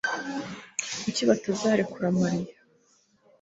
Kuki batazarekura Mariya